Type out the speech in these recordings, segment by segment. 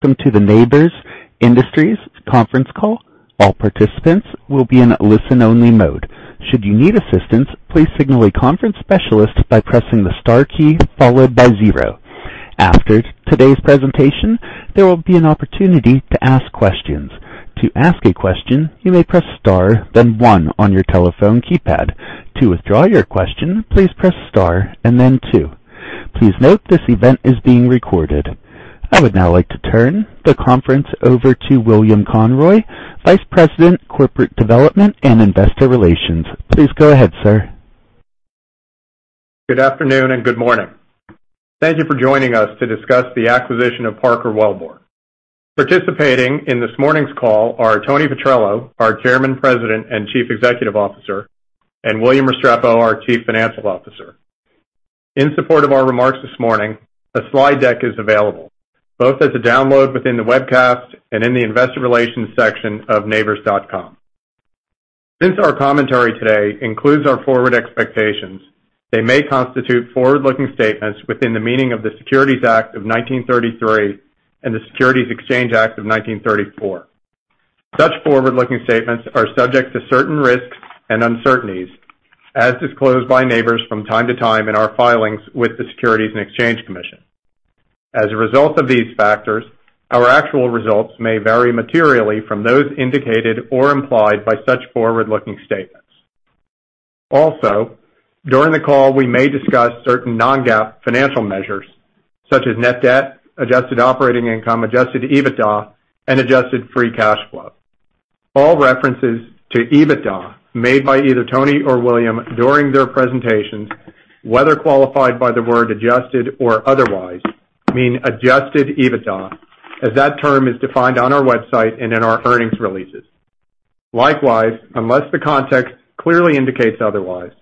Welcome to the Nabors Industries conference call. All participants will be in listen-only mode. Should you need assistance, please signal a conference specialist by pressing the star key followed by zero. After today's presentation, there will be an opportunity to ask questions. To ask a question, you may press star, then one on your telephone keypad. To withdraw your question, please press star and then two. Please note, this event is being recorded. I would now like to turn the conference over to William Conroy, Vice President, Corporate Development and Investor Relations. Please go ahead, sir. Good afternoon and good morning. Thank you for joining us to discuss the acquisition of Parker Wellbore. Participating in this morning's call are Tony Petrello, our Chairman, President, and Chief Executive Officer, and William Restrepo, our Chief Financial Officer. In support of our remarks this morning, a slide deck is available, both as a download within the webcast and in the investor relations section of Nabors.com. Since our commentary today includes our forward expectations, they may constitute forward-looking statements within the meaning of the Securities Act of 1933 and the Securities Exchange Act of 1934. Such forward-looking statements are subject to certain risks and uncertainties, as disclosed by Nabors from time to time in our filings with the Securities and Exchange Commission. As a result of these factors, our actual results may vary materially from those indicated or implied by such forward-looking statements. Also, during the call, we may discuss certain non-GAAP financial measures such as net debt, adjusted operating income, adjusted EBITDA, and adjusted free cash flow. All references to EBITDA made by either Tony or William during their presentations, whether qualified by the word adjusted or otherwise, mean adjusted EBITDA, as that term is defined on our website and in our earnings releases. Likewise, unless the context clearly indicates otherwise,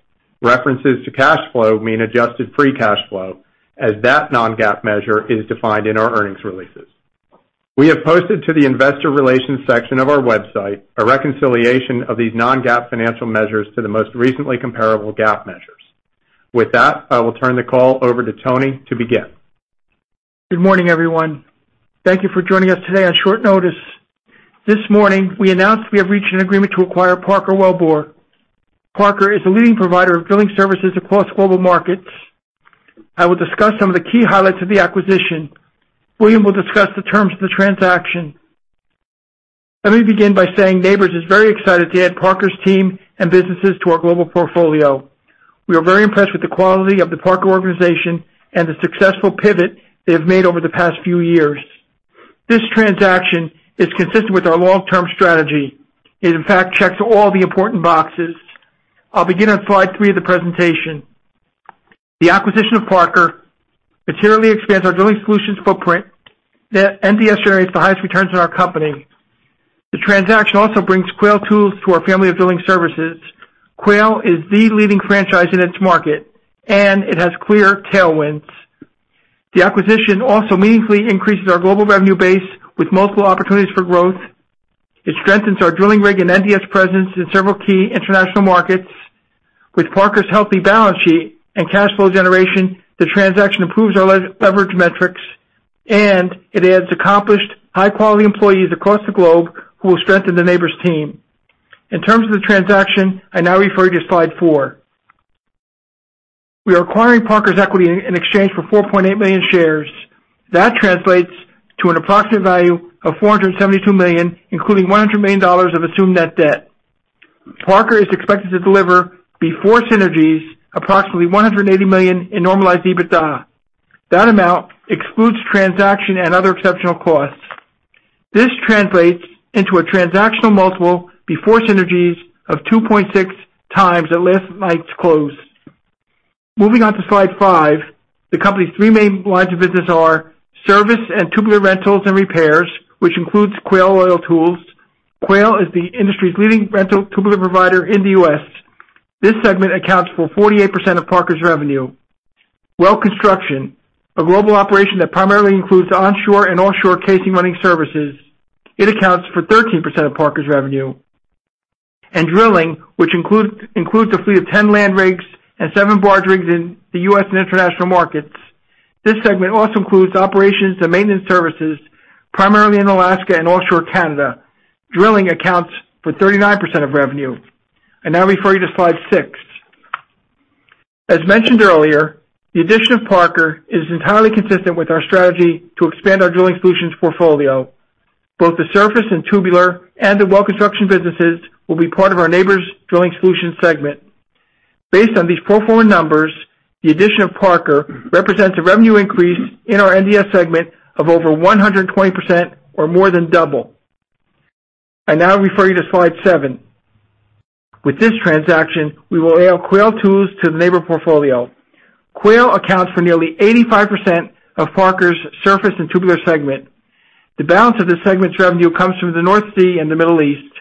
references to cash flow mean adjusted free cash flow, as that non-GAAP measure is defined in our earnings releases. We have posted to the investor relations section of our website a reconciliation of these non-GAAP financial measures to the most recently comparable GAAP measures. With that, I will turn the call over to Tony to begin. Good morning, everyone. Thank you for joining us today on short notice. This morning, we announced we have reached an agreement to acquire Parker Wellbore. Parker is a leading provider of drilling services across global markets. I will discuss some of the key highlights of the acquisition. William will discuss the terms of the transaction. Let me begin by saying Nabors is very excited to add Parker's team and businesses to our global portfolio. We are very impressed with the quality of the Parker organization and the successful pivot they have made over the past few years. This transaction is consistent with our long-term strategy. It, in fact, checks all the important boxes. I'll begin on slide three of the presentation. The acquisition of Parker materially expands our drilling solutions footprint. The NDS generates the highest returns in our company. The transaction also brings Quail Tools to our family of drilling services. Quail is the leading franchise in its market, and it has clear tailwinds. The acquisition also meaningfully increases our global revenue base with multiple opportunities for growth. It strengthens our drilling rig and NDS presence in several key international markets. With Parker's healthy balance sheet and cash flow generation, the transaction improves our leverage metrics, and it adds accomplished, high-quality employees across the globe who will strengthen the Nabors team. In terms of the transaction, I now refer you to slide four. We are acquiring Parker's equity in exchange for 4.8 million shares. That translates to an approximate value of $472 million, including $100 million of assumed net debt. Parker is expected to deliver, before synergies, approximately $180 million in normalized EBITDA. That amount excludes transaction and other exceptional costs. This translates into a transactional multiple before synergies of 2.6x at last night's close. Moving on to slide five, the company's three main lines of business are service and tubular rentals and repairs, which includes Quail Tools. Quail is the industry's leading rental tubular provider in the U.S. This segment accounts for 48% of Parker's revenue. Well construction, a global operation that primarily includes onshore and offshore casing running services. It accounts for 13% of Parker's revenue. And drilling, which includes a fleet of 10 land rigs and seven barge rigs in the U.S. and international markets. This segment also includes operations and maintenance services, primarily in Alaska and offshore Canada. Drilling accounts for 39% of revenue. I now refer you to slide six. As mentioned earlier, the addition of Parker is entirely consistent with our strategy to expand our drilling solutions portfolio. Both the surface and tubular and the well construction businesses will be part of our Nabors Drilling Solutions segment. Based on these pro forma numbers, the addition of Parker represents a revenue increase in our NDS segment of over 120% or more than double. I now refer you to slide seven. With this transaction, we will add Quail Tools to the Nabors portfolio. Quail accounts for nearly 85% of Parker's surface and tubular segment. The balance of this segment's revenue comes from the North Sea and the Middle East.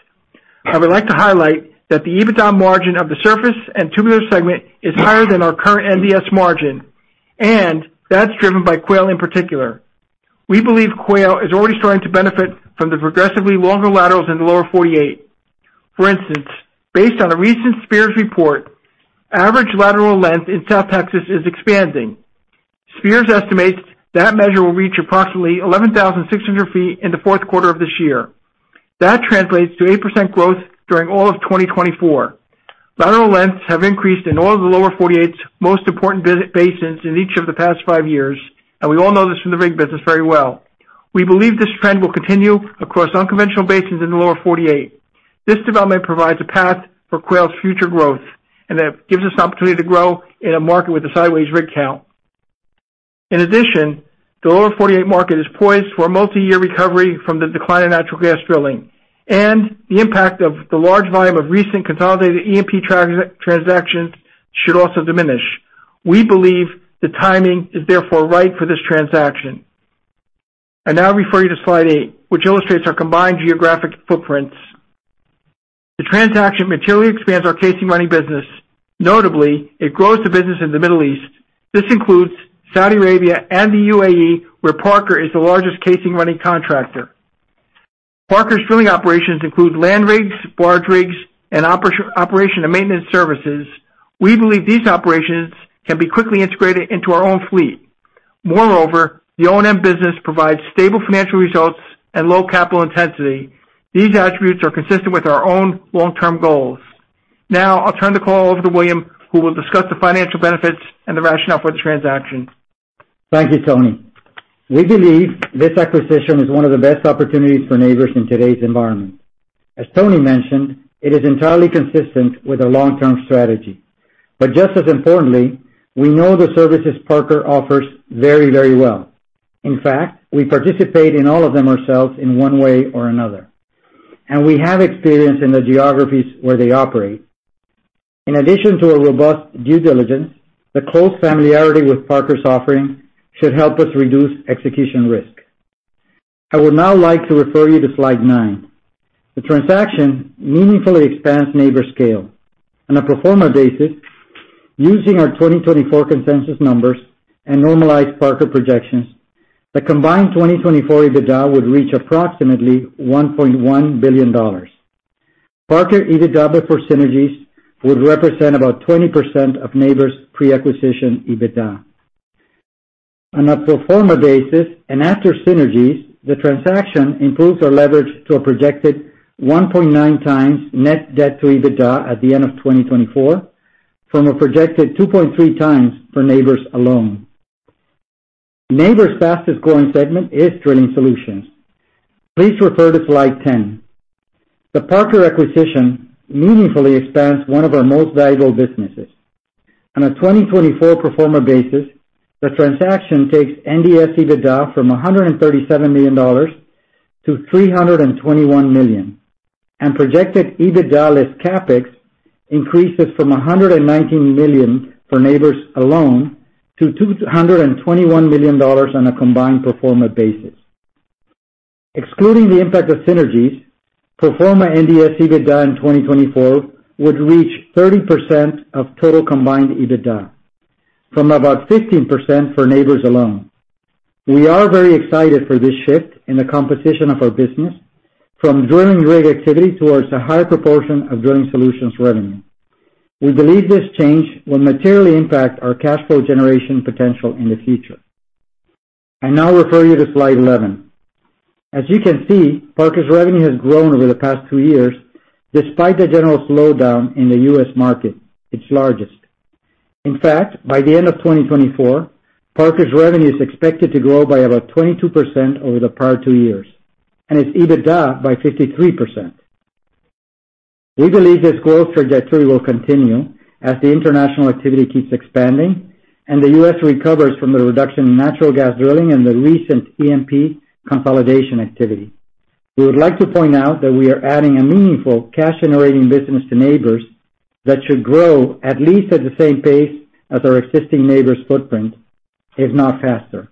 I would like to highlight that the EBITDA margin of the surface and tubular segment is higher than our current NDS margin, and that's driven by Quail in particular. We believe Quail is already starting to benefit from the progressively longer laterals in the Lower 48. For instance, based on a recent Spears report, average lateral length in South Texas is expanding. Spears estimates that measure will reach approximately 11,600 feet in the fourth quarter of this year. That translates to 8% growth during all of 2024. Lateral lengths have increased in all of the Lower 48's most important basins in each of the past five years, and we all know this from the rig business very well. We believe this trend will continue across unconventional basins in the Lower 48. This development provides a path for Quail's future growth, and it gives us an opportunity to grow in a market with a sideways rig count. In addition, the Lower 48 market is poised for a multi-year recovery from the decline in natural gas drilling, and the impact of the large volume of recent consolidated E&P transactions should also diminish. We believe the timing is therefore right for this transaction. I now refer you to slide eight, which illustrates our combined geographic footprints. The transaction materially expands our casing running business. Notably, it grows the business in the Middle East. This includes Saudi Arabia and the UAE, where Parker is the largest casing running contractor. Parker's drilling operations include land rigs, barge rigs, and operation and maintenance services. We believe these operations can be quickly integrated into our own fleet. Moreover, the O&M business provides stable financial results and low capital intensity. These attributes are consistent with our own long-term goals. Now I'll turn the call over to William, who will discuss the financial benefits and the rationale for the transaction. Thank you, Tony. We believe this acquisition is one of the best opportunities for Nabors in today's environment. As Tony mentioned, it is entirely consistent with our long-term strategy. But just as importantly, we know the services Parker offers very, very well. In fact, we participate in all of them ourselves in one way or another, and we have experience in the geographies where they operate. In addition to a robust due diligence, the close familiarity with Parker's offering should help us reduce execution risk. I would now like to refer you to slide nine. The transaction meaningfully expands Nabors' scale. On a pro forma basis, using our 2024 consensus numbers and normalized Parker projections, the combined 2024 EBITDA would reach approximately $1.1 billion. Parker EBITDA before synergies would represent about 20% of Nabors' pre-acquisition EBITDA. On a pro forma basis and after synergies, the transaction improves our leverage to a projected 1.9x net debt to EBITDA at the end of 2024, from a projected 2.3x for Nabors alone. Nabors' fastest growing segment is drilling solutions. Please refer to slide 10. The Parker acquisition meaningfully expands one of our most valuable businesses. On a 2024 pro forma basis, the transaction takes NDS EBITDA from $137 million to $321 million, and projected EBITDA less CapEx increases from $119 million for Nabors alone to $221 million on a combined pro forma basis. Excluding the impact of synergies, pro forma NDS EBITDA in 2024 would reach 30% of total combined EBITDA, from about 15% for Nabors alone. We are very excited for this shift in the composition of our business from drilling rig activity towards a higher proportion of drilling solutions revenue. We believe this change will materially impact our cash flow generation potential in the future. I now refer you to slide 11. As you can see, Parker's revenue has grown over the past two years, despite the general slowdown in the U.S. market, its largest. In fact, by the end of 2024 Parker's revenue is expected to grow by about 22% over the prior two years, and its EBITDA by 53%. We believe this growth trajectory will continue as the international activity keeps expanding and the U.S. recovers from the reduction in natural gas drilling and the recent E&P consolidation activity. We would like to point out that we are adding a meaningful cash-generating business to Nabors that should grow at least at the same pace as our existing Nabors footprint, if not faster.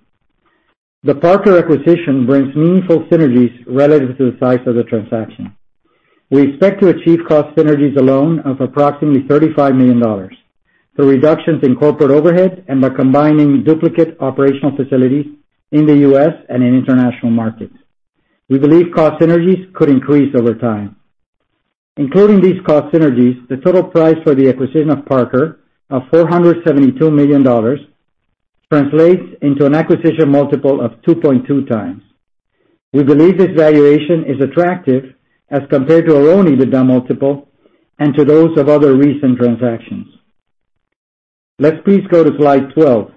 The Parker acquisition brings meaningful synergies relative to the size of the transaction. We expect to achieve cost synergies alone of approximately $35 million, through reductions in corporate overhead and by combining duplicate operational facilities in the U.S. and in international markets. We believe cost synergies could increase over time. Including these cost synergies, the total price for the acquisition of Parker of $472 million translates into an acquisition multiple of 2.2x. We believe this valuation is attractive as compared to our own EBITDA multiple and to those of other recent transactions. Let's please go to slide 12.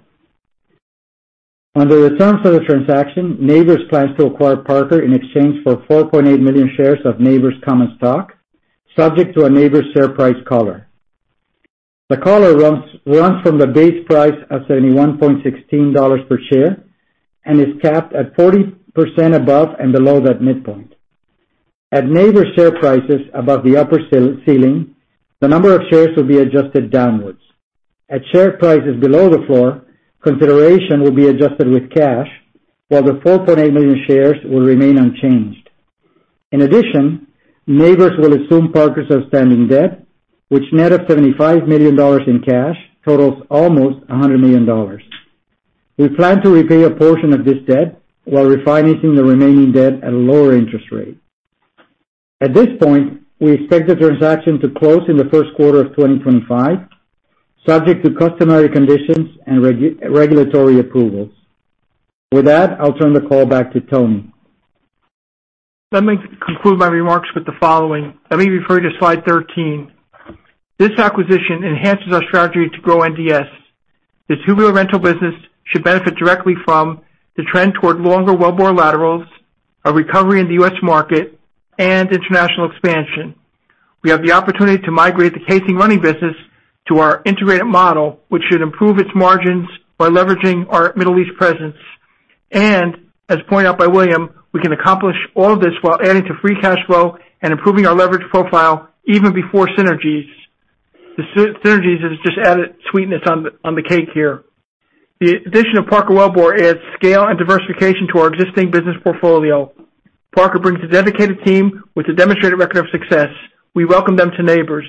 Under the terms of the transaction, Nabors plans to acquire Parker in exchange for 4.8 million shares of Nabors common stock, subject to a Nabors share price collar. The collar runs from the base price of $71.16 per share and is capped at 40% above and below that midpoint. At Nabors share prices above the upper ceiling, the number of shares will be adjusted downwards. At share prices below the floor, consideration will be adjusted with cash, while the 4.8 million shares will remain unchanged. In addition, Nabors will assume Parker's outstanding debt, which net of $75 million in cash, totals almost $100 million. We plan to repay a portion of this debt while refinancing the remaining debt at a lower interest rate. At this point, we expect the transaction to close in the first quarter of 2025, subject to customary conditions and regulatory approvals. With that, I'll turn the call back to Tony. Let me conclude my remarks with the following. Let me refer to slide 13. This acquisition enhances our strategy to grow NDS. The tubular rental business should benefit directly from the trend toward longer Wellbore laterals, a recovery in the U.S. market, and international expansion. We have the opportunity to migrate the casing running business to our integrated model, which should improve its margins by leveraging our Middle East presence, and as pointed out by William, we can accomplish all of this while adding to free cash flow and improving our leverage profile even before synergies. The synergies is just added sweetness on the cake here. The addition of Parker Wellbore adds scale and diversification to our existing business portfolio. Parker brings a dedicated team with a demonstrated record of success. We welcome them to Nabors.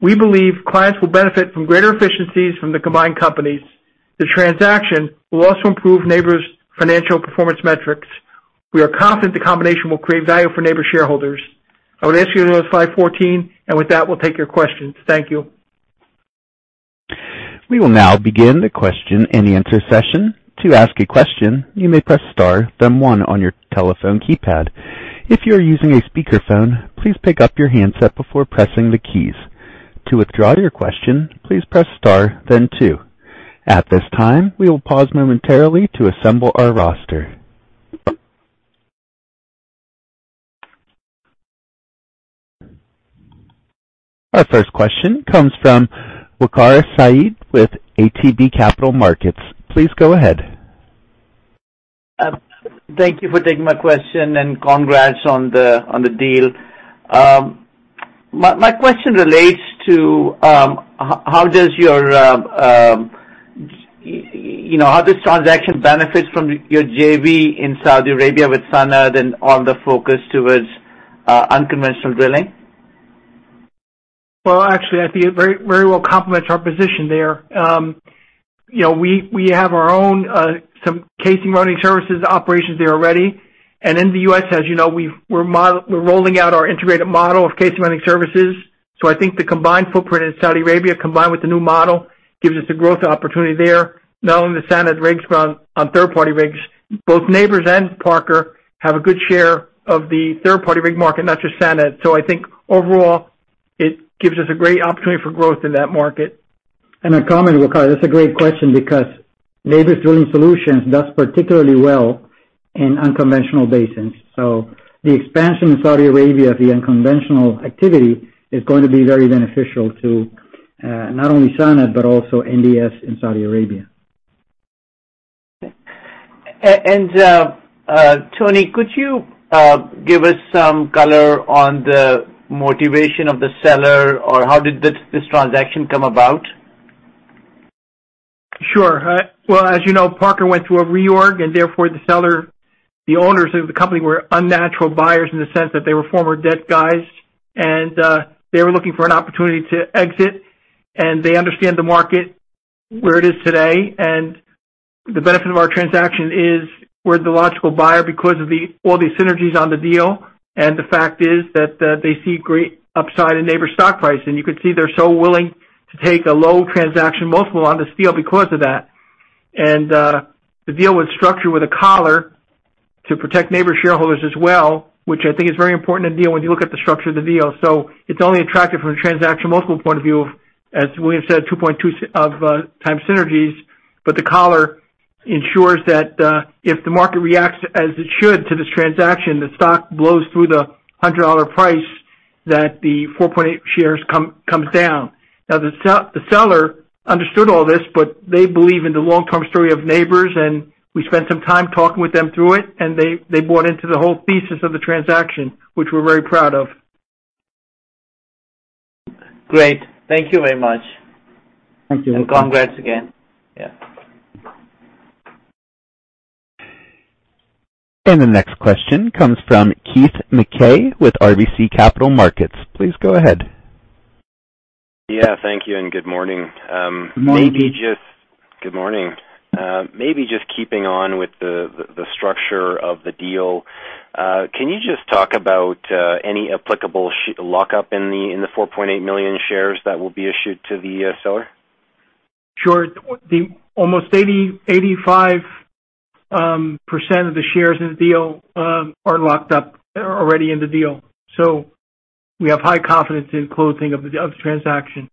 We believe clients will benefit from greater efficiencies from the combined companies. The transaction will also improve Nabors' financial performance metrics. We are confident the combination will create value for Nabors shareholders. I would ask you to go to slide 14, and with that, we'll take your questions. Thank you. We will now begin the question-and-answer session. To ask a question, you may press star, then one on your telephone keypad. If you are using a speakerphone, please pick up your handset before pressing the keys. To withdraw your question, please press star then two. At this time, we will pause momentarily to assemble our roster. Our first question comes from Waqar Syed with ATB Capital Markets. Please go ahead. Thank you for taking my question, and congrats on the deal. My question relates to, you know, how this transaction benefits from your JV in Saudi Arabia with Sanad and on the focus towards unconventional drilling? Actually, I think it very, very well complements our position there. You know, we have our own some casing running services operations there already. And in the U.S., as you know, we're rolling out our integrated model of casing running services. So I think the combined footprint in Saudi Arabia, combined with the new model, gives us a growth opportunity there. Not only the Sanad rigs, but on third-party rigs. Both Nabors and Parker have a good share of the third-party rig market, not just Sanad. So I think overall, it gives us a great opportunity for growth in that market. A comment, Waqar. That's a great question because Nabors Drilling Solutions does particularly well in unconventional basins. The expansion in Saudi Arabia, the unconventional activity, is going to be very beneficial to, not only Sanad, but also NDS in Saudi Arabia. Tony, could you give us some color on the motivation of the seller or how did this transaction come about? Sure. Well, as you know, Parker went through a reorg, and therefore, the seller, the owners of the company were unnatural buyers in the sense that they were former debt guys, and they were looking for an opportunity to exit, and they understand the market where it is today. And the benefit of our transaction is we're the logical buyer because of the all the synergies on the deal. And the fact is that they see great upside in Nabors' stock price, and you can see they're so willing to take a low transaction multiple on this deal because of that. And the deal was structured with a collar to protect Nabors' shareholders as well, which I think is very important to deal when you look at the structure of the deal. It's only attractive from a transaction multiple point of view, as William said, 2.2x synergies, but the collar ensures that if the market reacts as it should to this transaction, the stock blows through the $100 price, that the 4.8 shares comes down. Now, the seller understood all this, but they believe in the long-term story of Nabors, and we spent some time talking with them through it, and they bought into the whole thesis of the transaction, which we're very proud of. Great. Thank you very much. Thank you. Congrats again. Yeah. The next question comes from Keith Mackey with RBC Capital Markets. Please go ahead. Yeah, thank you, and good morning. Morning. Good morning. Maybe just keeping on with the structure of the deal, can you just talk about any applicable share lockup in the 4.8 million shares that will be issued to the seller? Sure. The almost 80%-85% of the shares in the deal are locked up already in the deal. So we have high confidence in closing of the transaction.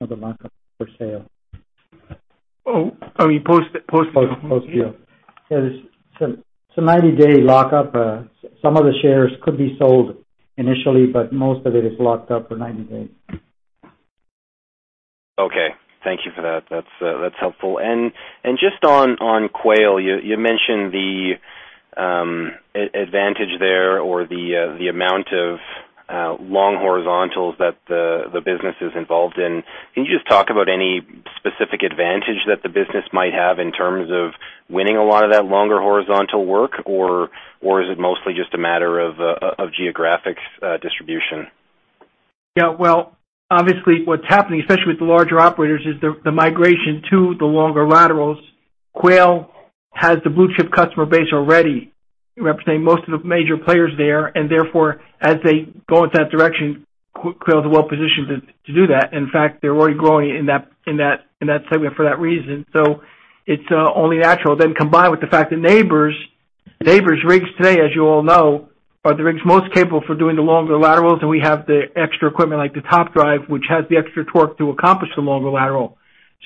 Of the lockup for sale. Oh, I mean, post deal There's some ninety-day lockup. Some of the shares could be sold initially, but most of it is locked up for ninety days. Okay. Thank you for that. That's helpful. And just on Quail, you mentioned the advantage there or the amount of long horizontals that the business is involved in. Can you just talk about any specific advantage that the business might have in terms of winning a lot of that longer horizontal work, or is it mostly just a matter of geographic distribution? Yeah, well, obviously, what's happening, especially with the larger operators, is the migration to the longer laterals. Quail has the blue chip customer base already, representing most of the major players there, and therefore, as they go into that direction, Quail is well positioned to do that. In fact, they're already growing in that segment for that reason. So it's only natural. Then combined with the fact that Nabors rigs today, as you all know, are the rigs most capable for doing the longer laterals, and we have the extra equipment, like the top drive, which has the extra torque to accomplish the longer lateral.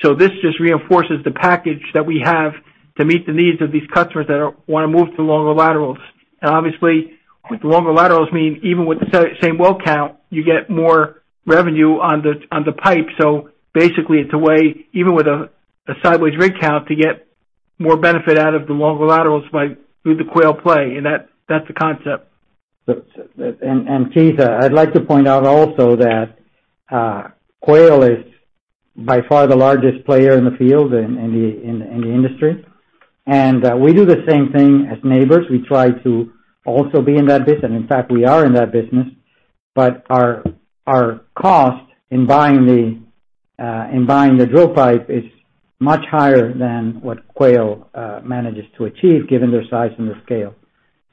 So this just reinforces the package that we have to meet the needs of these customers that wanna move to longer laterals. Obviously, with the longer laterals, meaning even with the same well count, you get more revenue on the pipe. So basically, it's a way, even with a sideways rig count, to get more benefit out of the longer laterals through the Quail play, and that's the concept. Keith, I'd like to point out also that Quail is by far the largest player in the field in the industry. We do the same thing as Nabors. We try to also be in that business, and in fact, we are in that business. But our cost in buying the drill pipe is much higher than what Quail manages to achieve, given their size and their scale.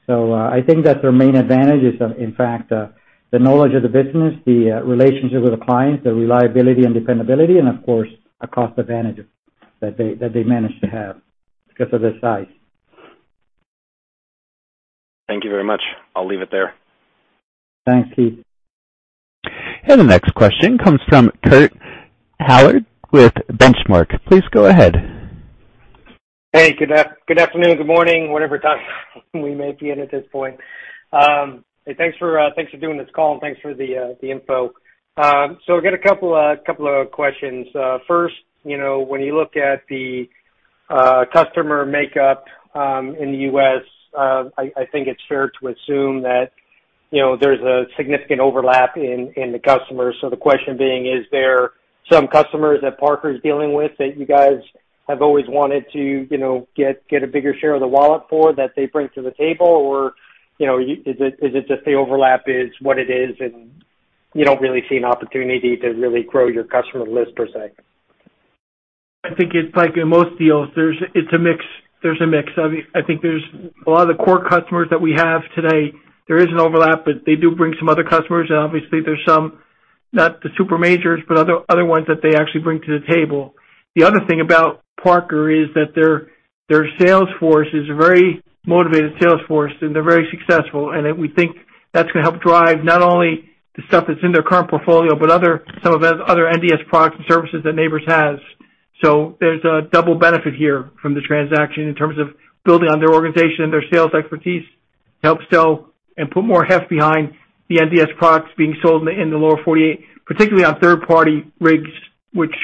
I think that their main advantage is, in fact, the knowledge of the business, the relationships with the clients, the reliability and dependability, and of course, a cost advantage that they manage to have because of their size. Thank you very much. I'll leave it there. Thanks, Keith. The next question comes from Kurt Hallead with Benchmark. Please go ahead. Hey, good afternoon, good morning, whatever time we may be in at this point. Hey, thanks for doing this call, and thanks for the info. So I've got a couple of questions. First, you know, when you look at the customer makeup in the U.S., I think it's fair to assume that, you know, there's a significant overlap in the customers. So the question being, is there some customers that Parker is dealing with that you guys have always wanted to, you know, get a bigger share of the wallet for, that they bring to the table? Or, you know, is it just the overlap is what it is, and you don't really see an opportunity to really grow your customer list per se? I think it's like in most deals, there's, it's a mix. There's a mix. I mean, I think there's a lot of the core customers that we have today, there is an overlap, but they do bring some other customers, and obviously there's some, not the super majors, but other, other ones that they actually bring to the table. The other thing about Parker is that their, their sales force is a very motivated sales force, and they're very successful, and then we think that's gonna help drive not only the stuff that's in their current portfolio, but other, some of the other NDS products and services that Nabors has. There's a double benefit here from the transaction in terms of building on their organization and their sales expertise, help sell and put more heft behind the NDS products being sold in the Lower 48, particularly on third-party rigs, which,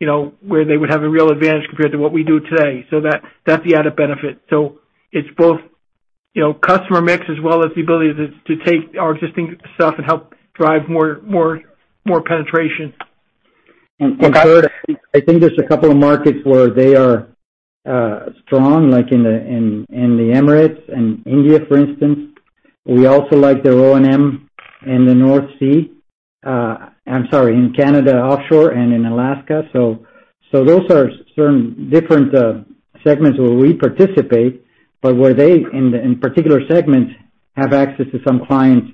you know, where they would have a real advantage compared to what we do today. So that's the added benefit. So it's both, you know, customer mix as well as the ability to take our existing stuff and help drive more, more, more penetration. And, Kurt, I think there's a couple of markets where they are strong, like in the Emirates and India, for instance. We also like their O&M in the North Sea. I'm sorry, in Canada offshore and in Alaska. So those are certain different segments where we participate, but where they, in the particular segments, have access to some clients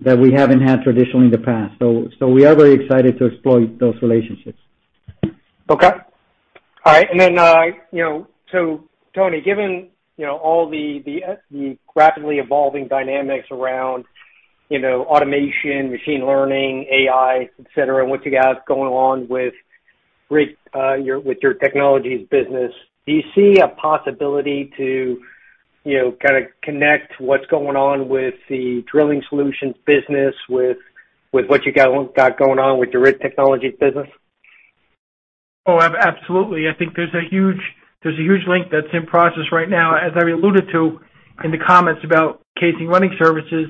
that we haven't had traditionally in the past. So we are very excited to exploit those relationships. Okay. All right. And then, you know, so Tony, given, you know, all the rapidly evolving dynamics around, you know, automation, machine learning, AI, et cetera, and what you guys going on with your rig technologies business, do you see a possibility to, you know, kind of connect what's going on with the drilling solutions business, with what you got going on with your rig technologies business? Oh, absolutely. I think there's a huge link that's in process right now. As I've alluded to in the comments about casing running services,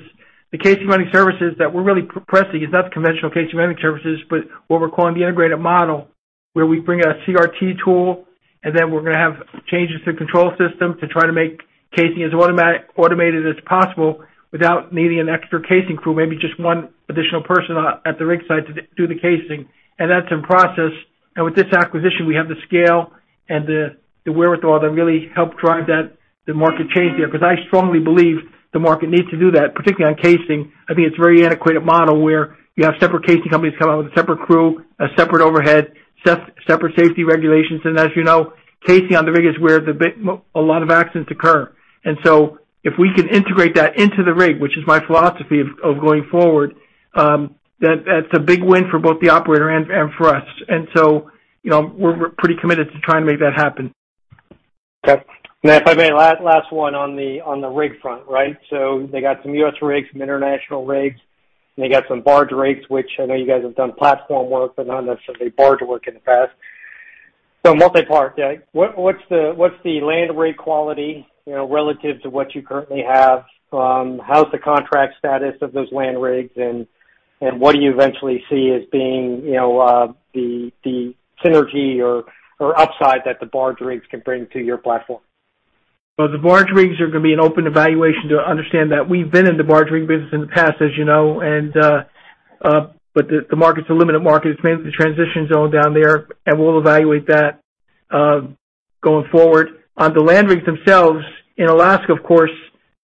the casing running services that we're really pressing is not the conventional casing running services, but what we're calling the integrated model, where we bring a CRT tool, and then we're gonna have changes to the control system to try to make casing as automated as possible without needing an extra casing crew, maybe just one additional person at the rig site to do the casing. And that's in process. And with this acquisition, we have the scale and the wherewithal to really help drive that, the market change there, because I strongly believe the market needs to do that, particularly on casing. I think it's a very antiquated model, where you have separate casing companies come out with a separate crew, a separate overhead, separate safety regulations, and as you know, casing on the rig is where the big, a lot of accidents occur, and so if we can integrate that into the rig, which is my philosophy of going forward, that's a big win for both the operator and for us, and so, you know, we're pretty committed to trying to make that happen. Okay. Now, if I may, last one on the rig front, right? So they got some U.S. rigs, some international rigs, and they got some barge rigs, which I know you guys have done platform work, but not necessarily barge work in the past. So multi-part, what's the land rig quality, you know, relative to what you currently have? How's the contract status of those land rigs, and what do you eventually see as being, you know, the synergy or upside that the barge rigs can bring to your platform? The barge rigs are going to be an open evaluation to understand that we've been in the barge rig business in the past, as you know, and but the market's a limited market. It's mainly the transition zone down there, and we'll evaluate that going forward. On the land rigs themselves, in Alaska, of course,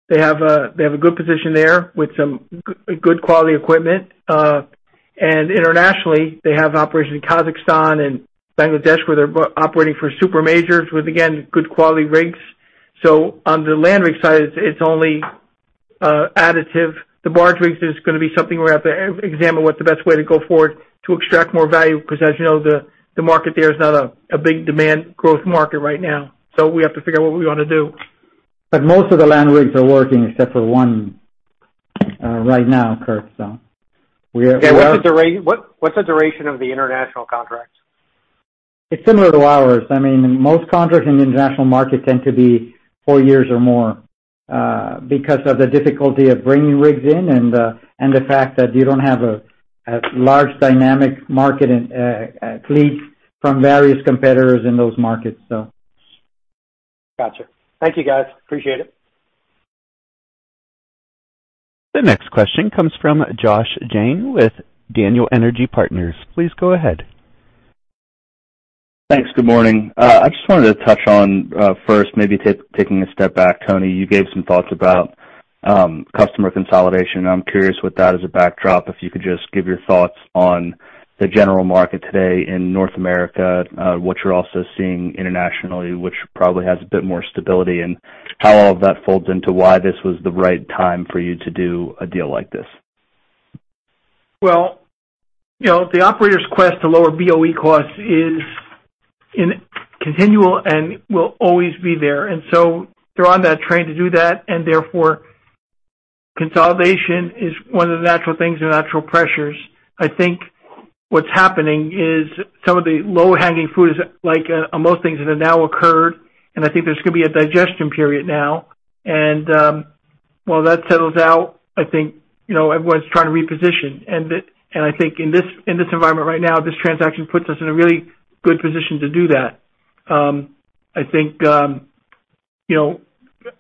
they have a good position there with some good quality equipment. Internationally, they have operations in Kazakhstan and Bangladesh, where they're operating for super majors with, again, good quality rigs. So on the land rig side, it's only additive. The barge rigs is gonna be something we're gonna have to examine what the best way to go forward to extract more value, because as you know, the market there is not a big demand growth market right now. We have to figure out what we want to do. But most of the land rigs are working except for one, right now, Kurt, so we are Yeah, what's the duration of the international contract? It's similar to ours. I mean, most contracts in the international market tend to be four years or more, because of the difficulty of bringing rigs in and the fact that you don't have a large dynamic market in fleet from various competitors in those markets, so. Gotcha. Thank you, guys. Appreciate it. The next question comes from Josh Jang with Daniel Energy Partners. Please go ahead. Thanks. Good morning. I just wanted to touch on, first, maybe taking a step back, Tony, you gave some thoughts about customer consolidation. I'm curious, with that as a backdrop, if you could just give your thoughts on the general market today in North America, what you're also seeing internationally, which probably has a bit more stability, and how all of that folds into why this was the right time for you to do a deal like this. You know, the operators' quest to lower BOE costs is in continual and will always be there. And so they're on that train to do that, and therefore, consolidation is one of the natural things and natural pressures. I think what's happening is some of the low-hanging fruit is like, on most things that have now occurred, and I think there's going to be a digestion period now. And while that settles out, I think, you know, everyone's trying to reposition. And I think in this, in this environment right now, this transaction puts us in a really good position to do that. I think, you know,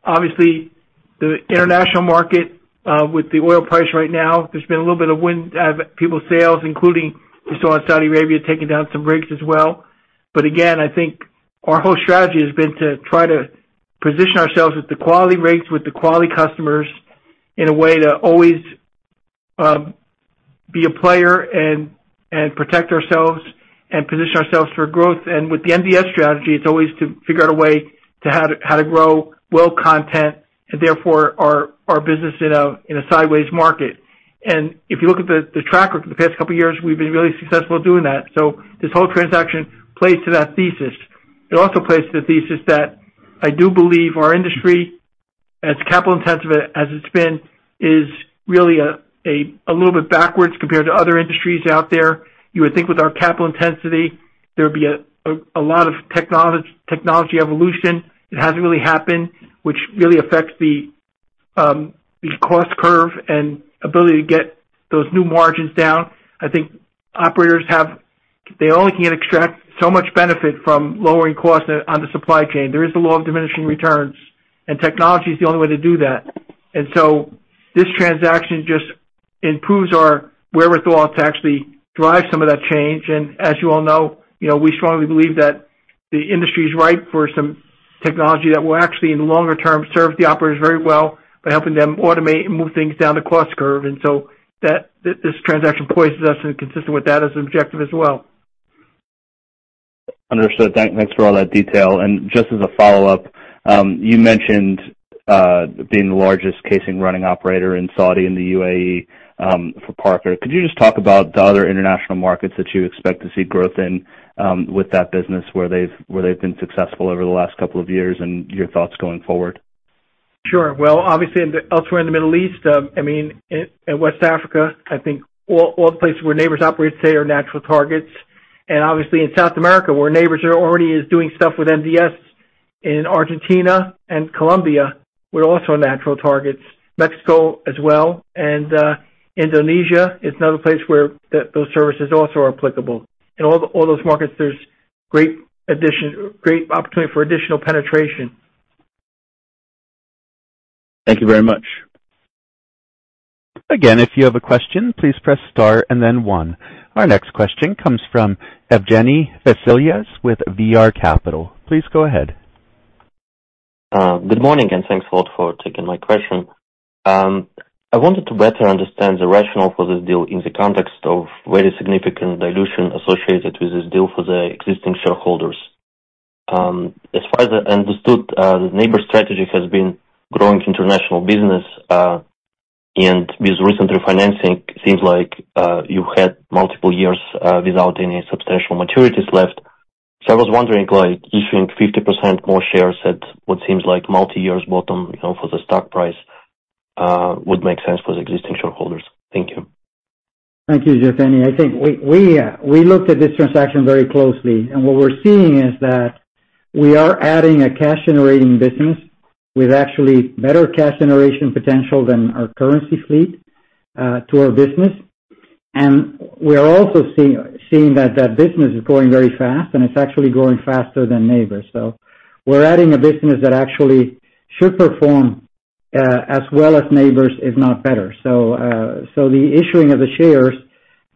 obviously, the international market with the oil price right now, there's been a little bit of wind at people's sails, including we saw Saudi Arabia taking down some rigs as well. Again, I think our whole strategy has been to try to position ourselves with the quality rigs, with the quality customers, in a way to always be a player and protect ourselves and position ourselves for growth. And with the NDS strategy, it's always to figure out a way to how to grow well content and therefore our business in a sideways market. And if you look at the tracker for the past couple of years, we've been really successful doing that. So this whole transaction plays to that thesis. It also plays to the thesis that I do believe our industry, as capital intensive as it's been, is really a little bit backwards compared to other industries out there. You would think with our capital intensity, there would be a lot of technology evolution. It hasn't really happened, which really affects the cost curve and ability to get those new margins down. I think operators have. They only can extract so much benefit from lowering costs on the supply chain. There is the law of diminishing returns, and technology is the only way to do that. And so this transaction just improves our wherewithal to actually drive some of that change. And as you all know, you know, we strongly believe that the industry is ripe for some technology that will actually, in the longer term, serve the operators very well by helping them automate and move things down the cost curve. And so that, this transaction places us in consistent with that as an objective as well. Understood. Thanks for all that detail. And just as a follow-up, you mentioned being the largest casing running operator in Saudi and the UAE, for Parker. Could you just talk about the other international markets that you expect to see growth in, with that business, where they've been successful over the last couple of years, and your thoughts going forward? Sure. Well, obviously, elsewhere in the Middle East, I mean, in West Africa, I think all the places where Nabors operate today are natural targets. And obviously, in South America, where Nabors are already is doing stuff with NDS, in Argentina and Colombia, we're also natural targets. Mexico as well, and Indonesia is another place where those services also are applicable. In all those markets, there's great opportunity for additional penetration. Thank you very much. Again, if you have a question, please press star and then one. Our next question comes from Evgeny Vasilyev with VR Capital. Please go ahead. Good morning, and thanks a lot for taking my question. I wanted to better understand the rationale for this deal in the context of very significant dilution associated with this deal for the existing shareholders. As far as I understood, the Nabors strategy has been growing international business, and with recent refinancing, seems like you had multiple years without any substantial maturities left. So I was wondering, like, issuing 50% more shares at what seems like multi-year bottom, you know, for the stock price, would make sense for the existing shareholders. Thank you. Thank you, Evgeny. I think we looked at this transaction very closely, and what we're seeing is that we are adding a cash-generating business with actually better cash generation potential than our current fleet to our business. We are also seeing that business is growing very fast, and it's actually growing faster than Nabors. So we're adding a business that actually should perform as well as Nabors, if not better. So the issuing of the shares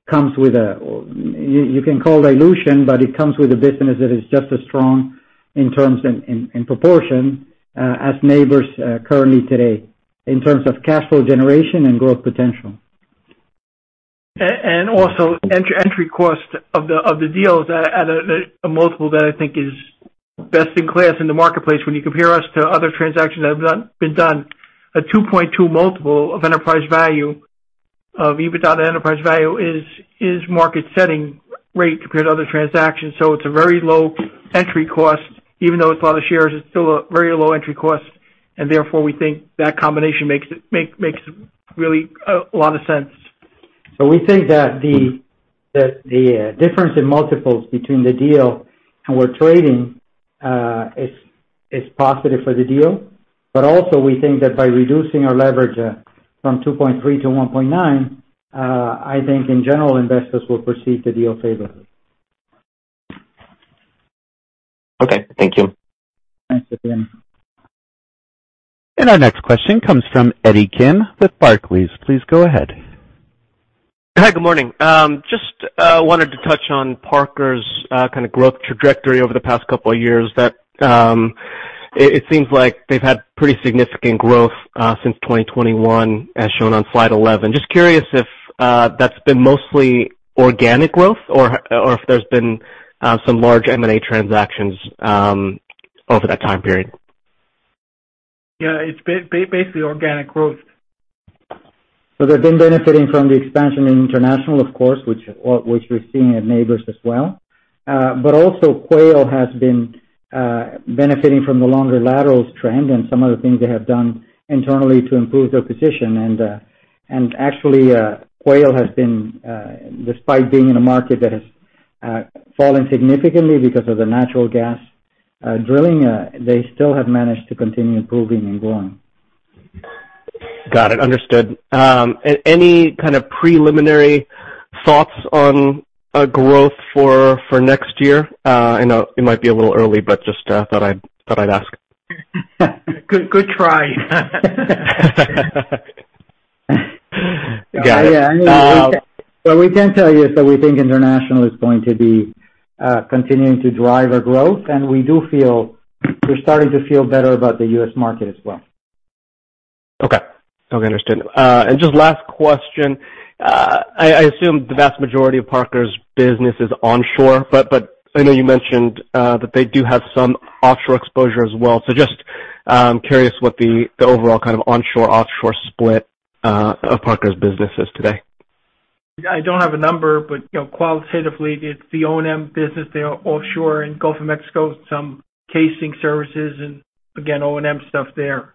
comes with a you can call dilution, but it comes with a business that is just as strong in terms in proportion as Nabors currently today, in terms of cash flow generation and growth potential. Also, entry cost of the deals at a multiple that I think is best in class in the marketplace. When you compare us to other transactions that have been done, a 2.2 multiple of enterprise value to EBITDA is market setting rate compared to other transactions. So it's a very low entry cost. Even though it's a lot of shares, it's still a very low entry cost, and therefore, we think that combination makes really a lot of sense. We think that the difference in multiples between the deal and we're trading is positive for the deal. But also, we think that by reducing our leverage from 2.3 to 1.9, I think in general, investors will perceive the deal favorably. Okay, thank you. Thanks again. Our next question comes from Eddie Kim with Barclays. Please go ahead. Hi, good morning. Just wanted to touch on Parker's kind of growth trajectory over the past couple of years. That, it seems like they've had pretty significant growth since 2021, as shown on slide 11. Just curious if that's been mostly organic growth or if there's been some large M&A transactions over that time period? Yeah, it's basically organic growth. They've been benefiting from the expansion in international, of course, which we're seeing at Nabors as well. But also, Quail has been benefiting from the longer laterals trend and some of the things they have done internally to improve their position. And actually, Quail has been, despite being in a market that has fallen significantly because of the natural gas drilling, they still have managed to continue improving and growing. Got it. Understood. Any kind of preliminary thoughts on growth for next year? I know it might be a little early, but just thought I'd ask. Good, good try. Got it. Yeah, I mean, what we can tell you is that we think international is going to be continuing to drive our growth, and we're starting to feel better about the U.S. market as well. Okay. Okay, understood, and just last question. I assume the vast majority of Parker's business is onshore, but I know you mentioned that they do have some offshore exposure as well. So just curious what the overall kind of onshore/offshore split of Parker's business is today. I don't have a number, but, you know, qualitatively, it's the O&M business. They are offshore in Gulf of Mexico, some casing services and again, O&M stuff there.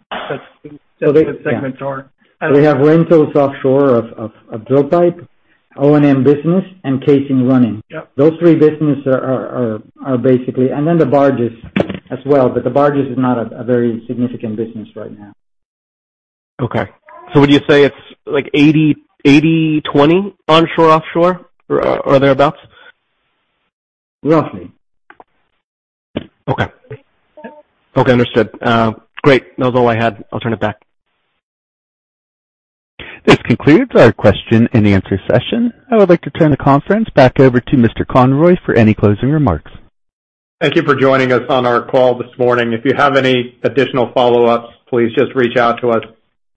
So they the segments are. They have rentals offshore of drill pipe, O&M business, and casing running. Yep. Those three businesses are basically... And then the barges as well, but the barges is not a very significant business right now. Okay. So would you say it's like 80/20 onshore, offshore, or thereabouts? Roughly. Okay. Okay, understood. Great! That was all I had. I'll turn it back. This concludes our question and answer session. I would like to turn the conference back over to Mr. Conroy for any closing remarks. Thank you for joining us on our call this morning. If you have any additional follow-ups, please just reach out to us.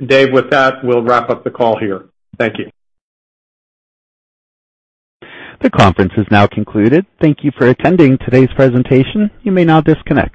Dave, with that, we'll wrap up the call here. Thank you. The conference is now concluded. Thank you for attending today's presentation. You may now disconnect.